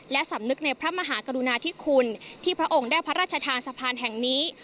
และสำนึกในพระมหากรุณาธิคุณที่พระองค์ได้พระราชทานสะพานแห่งนี้